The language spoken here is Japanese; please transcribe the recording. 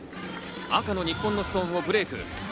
赤の日本のストーンをブレイク。